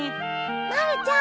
まるちゃん。